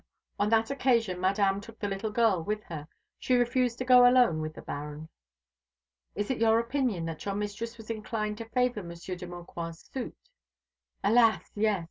And on that occasion Madame took the little girl with her. She refused to go alone with the Baron." "Is it your opinion that your mistress was inclined to favour Monsieur de Maucroix' suit?" "Alas, yes!